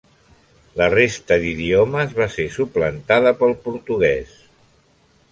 La resta d'idiomes va ser suplantada pel portuguès.